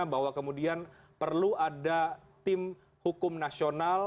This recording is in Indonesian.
bahwa kemudian perlu ada tim hukum nasional